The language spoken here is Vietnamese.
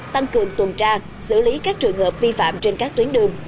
tăng cường tuần tra xử lý các trường hợp vi phạm trên các tuyến đường